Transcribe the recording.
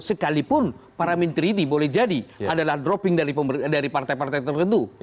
sekalipun para menteri ini boleh jadi adalah dropping dari partai partai tertentu